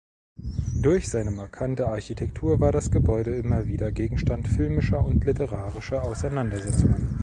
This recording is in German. Durch seine markante Architektur war das Gebäude immer wieder Gegenstand filmischer und literarischer Auseinandersetzungen.